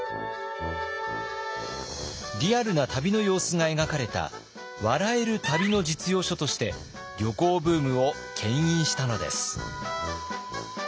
リアルな旅の様子が描かれた笑える旅の実用書として旅行ブームをけん引したのです。